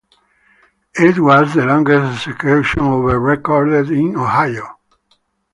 It was the longest execution ever recorded in Ohio.